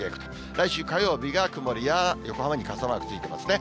来週火曜日が曇りや横浜に傘マークついてますね。